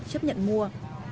chấp nhận mua